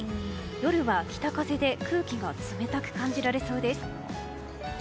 夜は北風で空気が冷たく感じられそうです。